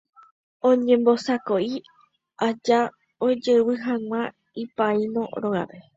Oñembosako'i aja ojevyhag̃uáicha ipaíno rógape.